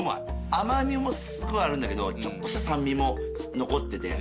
甘味もすごいあるんだけどちょっとした酸味も残ってて。